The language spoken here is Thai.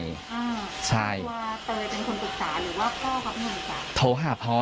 ว่าเตยเป็นคนปรึกษาหรือว่ากล้องครับ